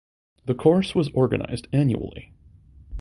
The course was organized annually.